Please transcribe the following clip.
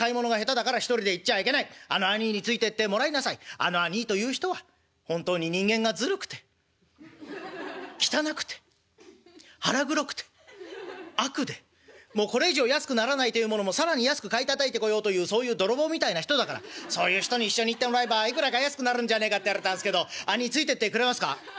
あの兄いという人は本当に人間がずるくて汚くて腹黒くて悪でもうこれ以上安くならないというものも更に安く買いたたいてこようというそういう泥棒みたいな人だからそういう人に一緒に行ってもらえばいくらか安くなるんじゃねえか』って言われたんですけど兄いついてってくれますか？」。